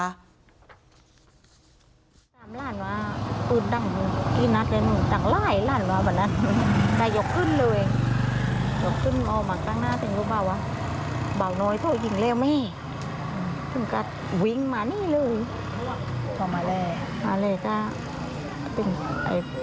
หน่อยถ้าอย่างในมันอาจจะถึงงแล้วนี่ผิดมานี่เลยทำแมล่ะอะไรสิ